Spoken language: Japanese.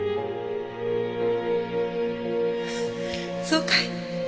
そうかい？